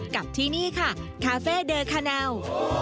กับที่นี่ค่ะคาเฟ่เดอร์คาแนล